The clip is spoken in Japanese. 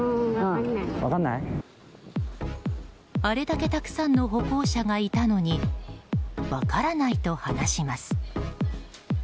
あれだけたくさんの歩行者がいたのに分からないと話します。